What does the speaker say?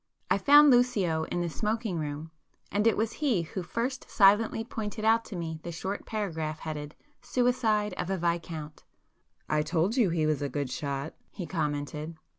I found Lucio in the smoking room, and it was he who first silently pointed [p 120] out to me the short paragraph headed 'Suicide of a Viscount.' "I told you he was a good shot!" he commented.